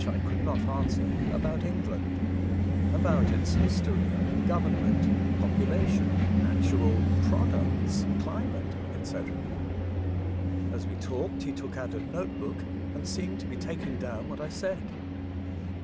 I could not answer, about England ; about its liistorj, government, population, natural products, climate, &c. As we talked, he took out a note book, and seemed to be taking down what I said.